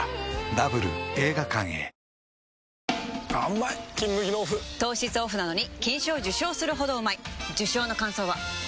うまい「金麦」のオフ糖質オフなのに金賞受賞するほどうまい受賞の感想は？